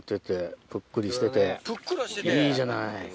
いいじゃない。